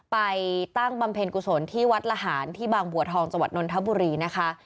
ไปตั้งบำเพ็ญกุศลที่วัดละหารที่บางบัวทองจังหวัดนนทบุรีนะคะ